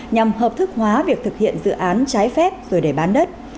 nhằm hợp thức hóa việc thực hiện dự án trái phép rồi để bán đất